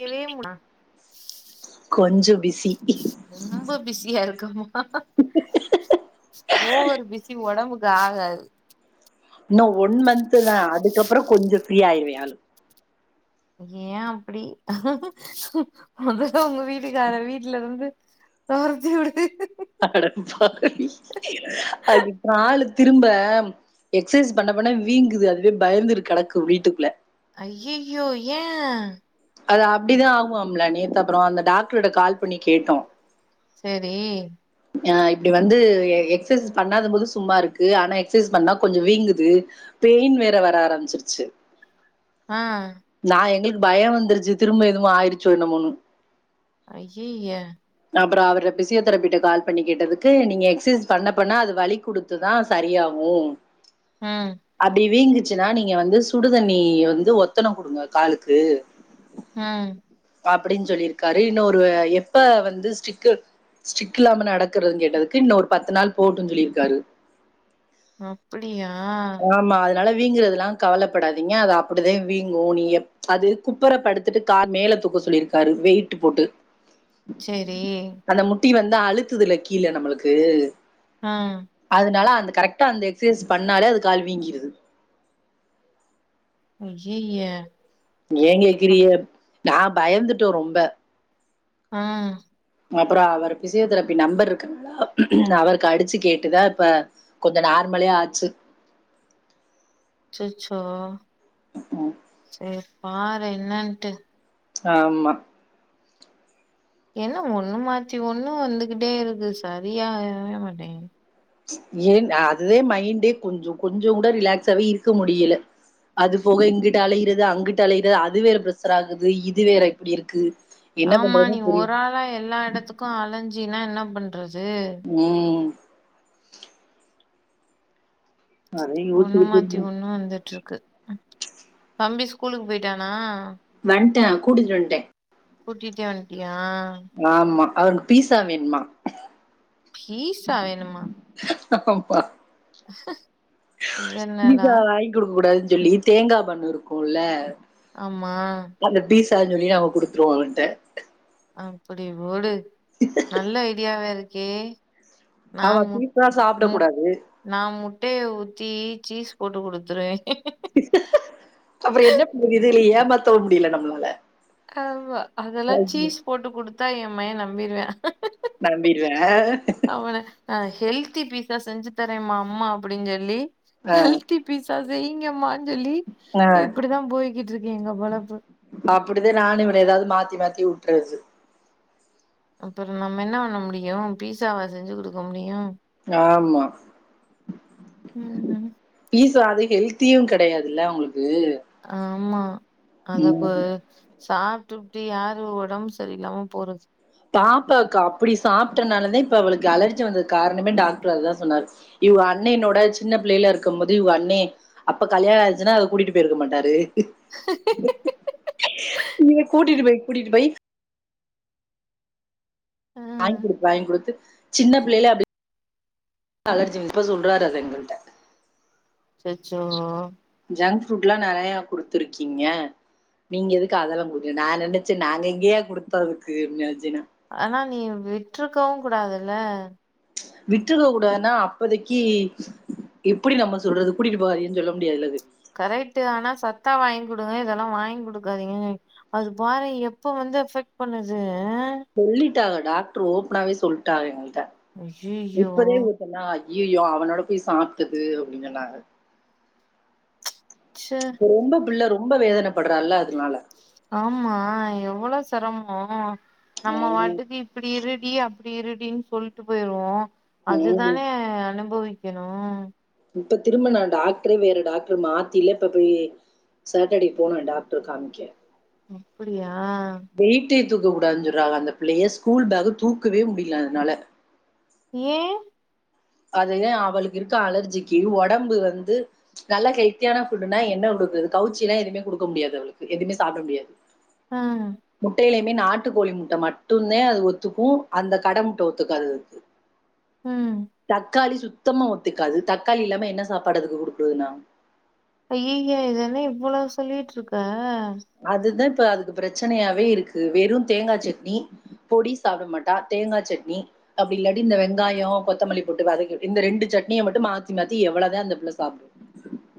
கெவே மு கொஞ்சம் பிஸி ரொம்ப பிஸியா இருக்கமா ஓவரு பிசி ஒடம்புக்கு ஆகாது இன்னு ஒன் மந்த் தா அதுக்கப்பறோ கொஞ்ச ஃப்ரீ ஆயிருவே ஆளு ஏ அப்டி மொதல்ல உங்க வீட்டுக்கார வீட்லருந்து தொரத்தி உடு அடபாவி அடி ஒரு ஆளு திரும்ப எக்ஸ்சைஸ் பண்ண பண்ண வீங்குது அதுவே பயந்துரு கெடக்கு வீட்டுக்குள்ள அய்யய்யோ ஏ அது அப்டி தா ஆகுமாம்லா நேத்து அப்பறோ அந்த டாக்டர்ட கால் பண்ணி கேட்டோ சேரி ஆ இப்டி வந்து எக்சைஸ் பண்ணாத போது சும்மா இருக்கு ஆனா எக்சசைஸ் பண்ணா கொஞ்ச வீங்குது பெயின் வேற வர ஆரம்பிச்சிருச்சு ஆ நா எங்களுக்கு பயம் வந்துருச்சு திரும்ப எதுவு ஆயிடுச்சோ என்னமோணு ஐய்யய்ய அப்பறோ அவர் பிசியோதெரபிட்ட கால் பண்ணி கேட்டதுக்கு நீங்க எக்சசைஸ் பண்ண பண்ண அது வலி குடுக் இது தா சரியாவு அ அப்டி வீங்குச்சுன்னா நீங்க வந்து சுடு தண்ணி வந்து ஒத்தணம் குடுங்க காலுக்கு அ அப்டின்னு சொல்லியிருக்காரு இன்னொரு எப்ப வந்து ஸ்டிக்கு ஸ்டிக் இல்லாம நடக்கறது கேட்டதுக்கு இன்னு ஒரு பத்து நாள் போட்டுன்னு சொல்லிருக்காரு அப்டியா ஆமா அதனால வீங்குறதெலா கவலப்படாதீங்க அது அப்டிதா வீங்கு நீ எப் அது குப்பர படுத்துட்டு கால் மேல தூக்க சொல்லியிருக்காரு வெயிட்டு போட்டு சேரி அந்த முட்டி வந்து அழுத்துது இல்ல கீழ நம்மளுக்கு அ அதனால அந்த கரெக்டா அந்த எக்சசைஸ் பண்ணாலே அது கால் வீங்கிருது ஐய்யயே ஏ கேக்றிய நா பயந்துட்டோ ரொம்ப ஆ அப்பறோ அவர் பிசியோதெரபி நம்பர் இருக்கங்களா அவருக்கு அடிச்சு கேட்டுதா இப்ப கொஞ்ச நார்மலே ஆச்சு அச்சச்சோ ம். சேரி பாரு என்னன்ட்டு ஆமா என்ன ஒண்ணு மாத்தி ஒண்ணு வந்துகிட்டே இருக்கு சரியாவே மாட்டேங் ஏ அதுவே மைண்டே கொஞ்ச கொஞ்சோ கூட ரிலாக்ஸாவே இருக்க முடியல அது போக இங்கிட்டு அலையறது அங்கிட்டு அலையறது அது வேற பிரெஸர் ஆகுது இது வேற இப்டி இருக்கு என்ன ஆமா பண்றதுன்னு நீ புரியல. ஒரு ஆளா எல்லா எடத்துக்கும் அலஞ்சீனா என்ன பண்றது ம் அதே ஒண்ணு யோசிச்சுக்கிட்டு இருந்தேன். மாத்தி ஒண்ணு வந்துட்ருக்கு தம்பி ஸ்கூலுக்கு போயிட்டானா வந்ட்ட கூட்டிட் வந்ட்ட கூட்டிட்டே வந்ட்டியா ஆமா அவனுக் பீஸா வேணுமா பீஸா வேணும்மா அப்பா அஹ பீசா வாய்ங் குடுக்க கூடாதுன் சொல்லி தேங்கா பண்ணு இருக்கும்ல ஆமா அந்த பீசான் சொல்லி நாங்க குடுத்துருவோம் அவன்ட்ட அப்படி போடு நல்ல ஐடியாவ இருக்கே நா ஆமா முட் பீஸா சாப்பிட முட் கூடாது நா முட்டைய ஊத்தி சீஸ் போட்டு குடுத்துருவே அப்புறம் என்ன பண்றது இதுயில ஏமாத்தவும் முடியல நம்பளால ஆமா அதெல்லா சீஸ் போட்டு குடுத்தா என் மைய நம்பிருவா நம்பிருவா அவன அ ஹெல்த்தி பீஸா செஞ்சு தரேம்மா அம்மா அப்படின் சொல்லி ஆ, ஹெல்த்தி பீசா செய்ங்கம்மா சொல்லி ஆ. இப்படித்தா போய்கிட்ருக்கு எங்க பொழப்பு அப்படிதா நானும் இவன எதாவ்து மாத்தி மாத்தி விட்றது அப்புறம் நம்ம என்ன பண்ண முடியும் பீஸாவா செஞ்சு குடுக்க முடியும் ஆமா ம் பிஸ்சா அது ஹெல்த்தியும் கெடயாதுல அவுங்ளுக்கு ஆமா அதக்கு சாப்ட்டு விப்ட்டு யாரு ஒடம்பு சரியில்லாம போறது சாப்டுவாக்க அப்படி சாப்ட்டனாலதா இப்ப அவளுக்கு அலர்ஜி வந்த காரணமே டாக்டர் அதா சொன்னாரு இவ அண்ணயனோட சின்ன பிள்ளையில இருக்கும் போது இவ அண்ணெ அப்ப கல்யாணம் ஆய்ச்சுன்னா அத கூட்டிட்டு போயிருக்க மாட்டாரு ஹ நீங்க கூட்டிட்டு போய் கூட்டிட்டு போய் ஆ வாய்ங் குடுத்து வாய்ங் குடுத்து சின்ன பிள்ளைல அப்படி [inaudible] அலர்ஜி இப்ப சொல்றாரு அத எங்கள்ட்ட ச்சச்சோ ஜங்க் ஃபுட்லா நெறையா குடுத்துருக்கீங்க நீங்க எதுக்கு அதல்லா குடுத்தீங்க நா நெனச்சே நாங்க எங்கயா குடுத்த அதுக்குன் நெனச்ச நா ஆனா நீ விட்ருக்கவும் கூடாதுல்ல விட்ருக்க கூடாதுன்னா அப்போதைக்கி எப்படி நம்ப சொல்றது கூட்டிட்டு போகாதீங்கன் சொல்ல முடியாதுல இது கரெக்ட்டு ஆனா சத்தா வாய்ங் குடுங்க இதெல்லா வாய்ங் குடுக்காதீங்க அது பாரே எப்ப வந்து எஃபெக்ட் பண்ணுது சொல்லிட்டாங்க டாக்ட்ரு ஓப்பனாவே சொல்ட்டாங்க எங்கள்ட்ட ஐயையோ இப்பவே எப் பின்னா ஐய்யிய்யோ அவனோட போய் சாப்ட்டுது அப்டின் சொன்னாங்க ச்சே இப்ப ரொம்ப புள்ள ரொம்ப வேதனைப்பட்றால்ல அதனால ஆமா எவ்வளோ செரமோ நம்ம உம், வாட்டுக்கு இப்புடி இருடி அப்புடி இருடின்னு சொல்லிட்டு போயிருவோ உம். அதுதானே அனுபவி க்கணு இப்ப திரும்ப நா டாக்டரே வேற டாக்டர் மாத்தில இப்ப போயி சாட்டர்டே போனே டாக்டரு காமிக்க அப்புடியா வெயிட்டே தூக்க கூடாதுன் சொல்றாக அந்த பிள்ளைய ஸ்கூல் பேக் தூக்கவே முடியலயா அதுனால ஏயே அதுதா அவளுக்கு இருக்க அலர்ஜிக்கு ஒடம்பு வந்து நல்ல ஹெல்தியான ஃபுட்டுன்னா என்ன குடுக்கறது கவுச்சில்லா எதுவுமே குடுக்க முடியாது அவளுக்கு எதுவுமே சாப்ட முடியாது ஆ முட்டையிலையுமே நாட்டு கோழி முட்ட மட்டுதே அது ஒத்துக்கு அந்த கட முட்ட ஒத்துக்காது அதுக்கு ம் தக்காளி சுத்தமா ஒத்துக்காது தக்காளி இல்லாம என்ன சாப்பாடு குடுக்குறது அதுக்கு நா ஐய்யய்ய இதென்ன இவ்ளோ சொல்லிட்டு இருக்க அதுதா இப்ப அதுக்கு பிரச்சனையாவே இருக்கு வெறு தேங்கா சட்னி பொடி சாப்ட மாட்டா தேங்கா சட்னி அப்டி இல்லாடி இந்த வெங்காயோ கொத்தமல்லி போட்டு வதக்கி இந்த ரெண்டு சட்னிய மட்டு மாத்தி மாத்தி எவ்ளோவுதா அந்த புள்ள சாப்புடு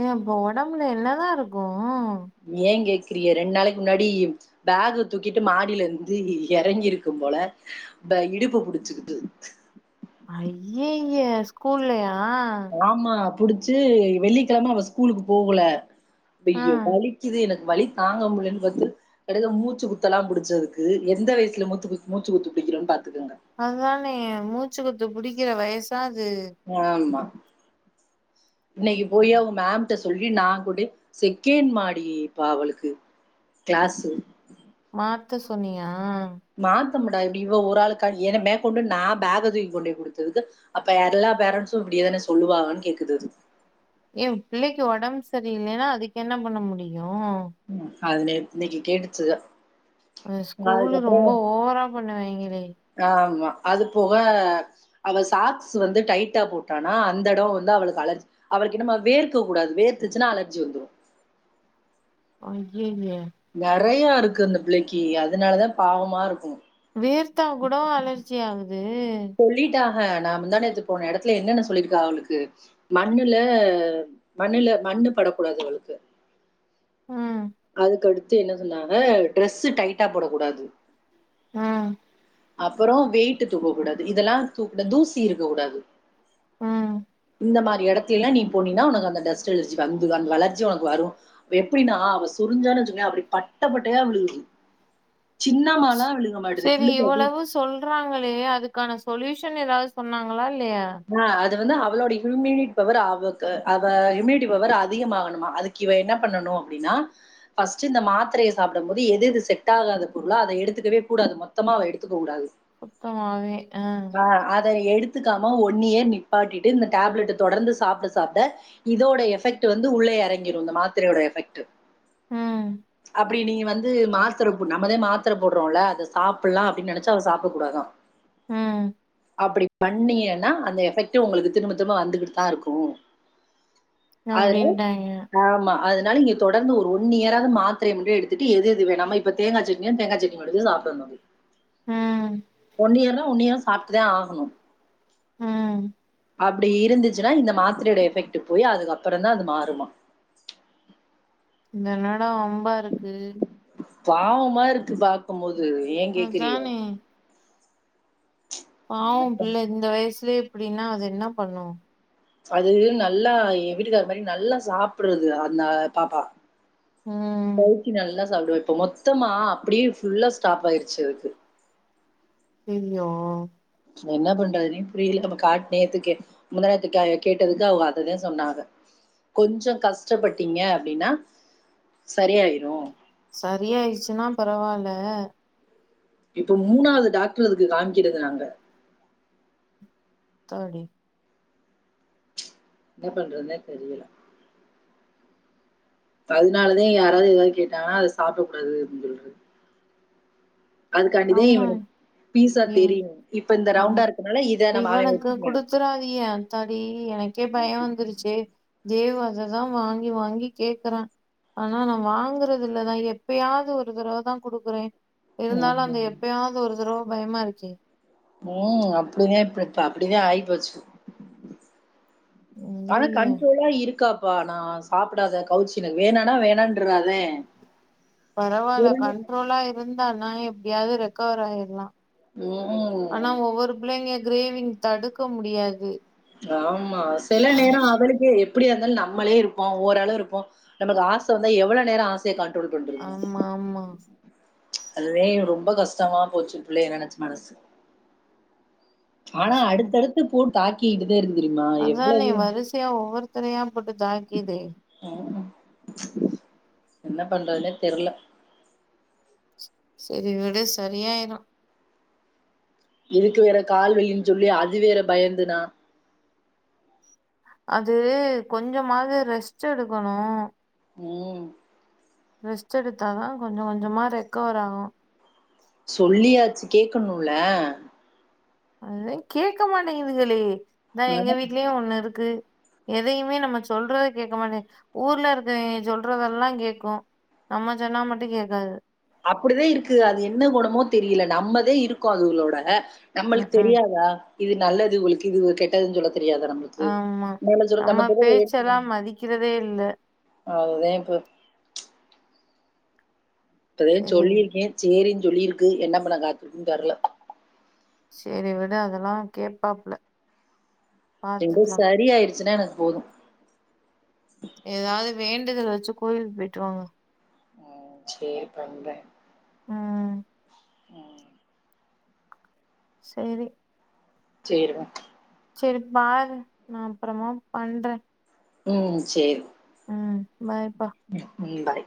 ஏ அப்போ ஒடம்புல என்ன தா இருக்கு ஏ கேக்குறீக ரெண்டு நாளைக்கு முன்னாடி பேகு தூக்கிட்டு மாடியில இருந்து எறங்கி இருக்கு போல பே இடுப்பு புடிச்சிக்கிட்டு அய்யய்ய ஸ்கூல்லயா ஆமா புடிச்சி வெள்ளிக்கெழம அவ ஸ்கூலுக்கு போகல ஆ ஐயோ வலிக்கிது எனக்கு வலி தாங்க முடியலன்னு கத்து எடையில மூச்சி குத்தெல்லா புடிச்சி அதுக்கு எந்த வயசுல மூத்து மூச்சு குத்து புடிக்குறோன்னு பாத்துக்கோங்க அதான மூச்சு குத்து புடிக்கிற வயசா அது ஆமா இன்னைக்கி போயி அவுங்க மேம் கிட்ட சொல்லி நா கூட செகேண்ட் மாடிப்பா அவளுக்கு கிளாஸ் மாத்த சொன்னியா மாத்தமுடாது இப்டி இவ ஒரு ஆளுக்கா என்ன மேற் கொண்டு போக தூக்கி கொண்டே குத்ததுக்கு அப்ப எல்லா பேரண்ட்ஸு இப்டியே தான சொல்லுவாங்கன்னு கேக்குது அது ஏ பிள்ளைக்கு ஓடம்பு செரியில்லைனா அதுக்கு என்ன பண்ண முடியு ம் கால்ல இன்னைக்கி கேட்டுச்சி ந்த ஸ்கூலு ரொம்ப ஓவரா பண்ணுவாங்களே ஆமா அது போக அவே சாக்ஸ் வந்து டைட்டா போட்டானா அந்த ஏடோ வந்து அவளுக்கு அலர்ஜி அவளுக்கு என்னமோ வேர்க்க கூடாது வேர்த்துச்சின்னா அலர்ஜி வந்துரு அய்யய்ய நெறைய இருக்கு இந்த பிள்ளைக்கு அதனாலதா பாவமா இருக்கு வேர்த்தா கூட வா அலர்ஜி ஆகுது சொல்லிட்டாக நா முந்தா நேத்து போன எடத்துல என்னென்ன சொல்லி இருக்காங்க அவளுக்கு மண்ணுல மண்ணுல மண்ணு படக்கூடாது அவளுக்கு ம் அதுக்கடுத்து என்ன சொன்னாங்க ட்ரெஸ் டைட்டா போடக்கூடாது ஆ அப்றோ வெயிட்டு தூக்க கூடாது இதெல்லா தூக்க தூசி இருக்க கூடாது ம் இந்த மாரி எடத் திலா நீ போனினா உனக் அந்த டஸ்ட் அலர்ஜி வந்துதா அந்த அலர்ஜி உனக்கு வரு எப்டின்னா அவ சொரிஞ்சான் வெச்சுக்யே அப்படி பட்ட பட்டையா விழுகுது சின்னமாலா விழுது செரி இவ்வளவு சொல்றாங்களே அதுக்கான சொல்யூஷன் எதாவது சொன்னாங்களா இல்லையா ஆ அது வந்து அவளோட இம்யுன் பவர் அவக்கு அவ இம்யுனிட்டி பவர் அதிகமாகணுமா அதுக்கு இவ என்ன பண்ணணு அப்டின்னா ஃபஸ்ட் இந்த மாத்திரைய சாப்டும் போது எது எது செட் ஆகாத பொருளோ அத எடுத்துக்கவே கூடாது மொத்தமா அவ எடுத்துக்க கூடாது சுத்தமாவே ஆ ஆ அத நீ எடுத்துக்காம ஒன் இயர் நிப்பாட்டிட்டு இந்த டேப்லெட்ட தொடர்ந்து சாப்ட சாப்ட இதோட எஃபெக்ட் வந்து உள்ளே எறங்கிரு இந்த மாத்திரையோட எஃபெக்ட்டு ம் அப்டி நீ வந்து மாத்தர போ நம்மதா மாத்திர போடுறோல அத சாப்பல்லா அப்டின் நெனைச்சு அவ சாப்ட கூடாதா ம் அப்படி பண்ணிங்கனா அந்த எஃபெக்ட்டு உங்களுக்கு திரும்ப திரும்ப வந்துகிட்தா இருக்கு அதனா அப்டின்ட்டாய்ங்க ஆமா அதனால எப் தொடர்ந்து ஒரு ஒன் இயராது மாத்திரைய மட்டு எடுத்துட்டு எதெது வேணாமோ இப்ப தேங்கா சட்னினா தேங்கா சட்னி மட்டுந்தா சாப்டனு ம் ஒன்னியர்னா ஒன்னியரா சாப்ட்டுதே ஆகணு ம் அப்டி இருந்துச்சுனா இந்த மாத்தரையோட எஃபெக்ட் போய் அதுக்கப்புறந்தா அது மாறுமா இது என்னடா வம்பா இருக்கு பாவமா இருக்கு பாக்கம்போது ஏ கேக்கறிக அதானே பாவம் என்னப்பா பிள்ள இந்த வயசுலயே இப்டின்னா அது என்ன பண்ணு அது நல்லா எ வீட்டுக்காரு மாரி நல்லா சாப்பறது அந்த பாப்பா ம் கவுத்தி நல்லா சாப்டுவ இப்ப மொத்தமா அப்படியே ஃபுல்லா ஸ்டாப் ஆயிருச்சு அதுக்கு ஐயயோ என்ன பண்றதுனே புரியல நம்ம காட்னேத்துக்க முந்தாநேத்து கே கேட்டதுக்கு அவங்க அததே சொன்னாக கொஞ்ச கஷ்டப்பட்டிங்க அப்டின்னா சரியாயிரு சரியாயிருச்சுன்னா பரவால்ல இப்ப மூணாவது டாக்டர் அதுக்கு காமிக்கிறது நாங்க தோழி என்ன பண்றதுனே தெரியல அதனாலதே யாராவது ஏதாவது கேட்டாங்கன்னா அத சாப்பிட கூடாதுன்னு சொல்றது அதுக்காண்டிதே ஆமா இவனுக் பீஸா இவ் தெரியு இப்ப இந்த ரவுண்டா இருக்கனால இத நம்ம அவ வெச்சிக்லா குடுத்துறாதிங்க ஆத்தாடி எனக்கே பய வந்துருச்சு இதே மாதிரிதா வாங்கி வாங்கி கேக்கறா ஆனா நா வாங்கறதில்லதா எப்பயாது ஒரு தடவதா குடுக்குறே இருந்தாலு அந்த ம் எப்பயாது ஒரு தடவ பயமா இருக்கே ம் அப்டிதே இப்ப இப்ப அப்டிதே ஆயிப்போச்சு ஆனா ஐயைய கண்ட்ரோலா இருக்கா அப்பா நா சாப்பிடாத கௌச்சி இல்ல வேணானா வேணான்ட்றதே பரவால கண்ட்ரோலா இருந்தானா எப்டியாது ரெக்கவர் ஆயிர்லா ம் ஆனா ஒவ்வொரு புள்ளைங்க கிரேவிங் தடுக்க முடியாது ஆமா செல அ நேரோ அவளுக்கே அப்டியா இருந்தாலு நம்மளே இருப்போ ஓரள இருப்போ நமக்கு ஆச வந்து எவ்ளோ நேரோ ஆசைய கண்ட்ரோல் பண்றதுங்க ஆமா ஆமா அதுவே எனக் ரொம்ப கஷ்டமா போச்சு புள்ளைய நெனச்சு மனசு ஆனா கஷ்டம் அடுத்தடுத்து போட்டு தாக்கிட்டுதே இருந்து தெரிமா எவ்ளவு சையா ஒவ்வொருத்தரையா போட்டு தாக்கிதே ம் என்ன பண்றதுனே தெர்ல செரி விடு சரியாயிரு இதுக்கு வேற கால்வலினு சொல்லி அது வேற பயந்து நா அது கொஞ்சமாது ரெஸ்ட் எடுக்குணு ம் ரெஸ்ட் எடுத்தாதா கொஞ்ச கொஞ்சமா ரெக்கவர் ஆவு சொல்லியாச்சு கேக்கணுல்ல அது தே கேக்க மாட்டேங்குதுகளே இந்தா எங்க ம். வீட்லயு ஒன்னு இருக்கு எதையுமே நம்ம சொல்றத கேக்க மாட்டது ஊர்ல இருக்கவங்க சொல்றதெல்லா கேக்கு நம்ம சொன்னா மட்டு கேக்காது அப்டி தா இருக்கு அது என்ன கொணமோ தெரில நம்மதே இருக்கோ அதுங்களோட ம் நம்மளுக் ம் தெரியாதா இது நல்லது உங்குளுக்கு இது கெட்டதுன்னு சொல்ல தெரியாதா நம்ளுக் ஆமா நம்ம பேச்ச தா மதிக்கிறதே இல்ல அதுதே இப்ப இப்பதே சரி சொல்லிருக்கே சேரின்னு சொல்லிருக்கு என்ன பண்ண காத்துருக்குன் தெர்ல செரி விடு அதெல்லா கேப்பாப்புல ரெண்டு சரி ஆயிருச்சுன்னா எனக்கு போது எதாது வேண்டுதல் வச்சு கோயிலுக் போயிட்டு வாாங்க சேரி பண்றே ம் ம் செரி சேரி டா சேரி பாரு நா அப்பறமா பண்றே ம் சேரி ம் பாய் பா ம் பாய்